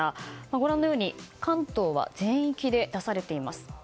ご覧のように関東は全域で出されています。